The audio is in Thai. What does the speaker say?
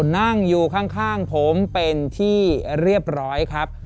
นั่งอยู่ข้างผมเป็นที่เรียบร้อยครับ